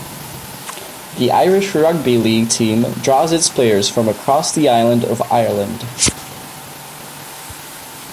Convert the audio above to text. The Irish rugby league team draws its players from across the Island of Ireland.